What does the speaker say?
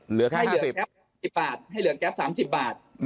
ให้เหลือแค่๓๐บาท